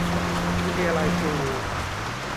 วิทยาลัยครู